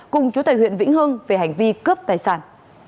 cùng chú tài huyện vĩnh hương về hành vi cướp tài sản